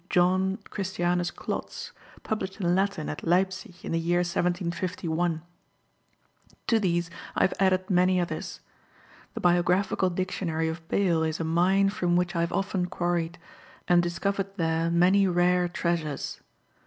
John Christianus Klotz, published in Latin at Leipsic, in the year 1751. To these I have added many others. The Biographical Dictionary of Bayle is a mine from which I have often quarried, and discovered there many rare treasures.